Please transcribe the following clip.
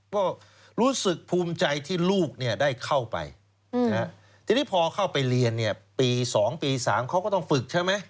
ก็รู้สึกภูมิใจที่ลูกเนี่ยได้เข้าไปทีนี้พอเข้าไปเรียนเนี่ยปี๒ปี๓เขาก็ต้องฝึกใช่ไหม